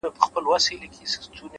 هوښیار انسان فرصتونه ساتي،